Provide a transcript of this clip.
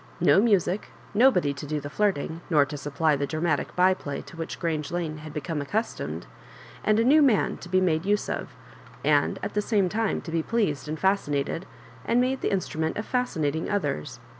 No music^ nobody to do the flirting, nor to supply the dramatic by play to whidi Grange Lane had become accustomed; and « Digitized by VjOOQIC 56 MISS ICABJ0BIB1NK& xxew man to be made use of, and at the same time to be pleased and fascinated, and made the instrument of fascinating others.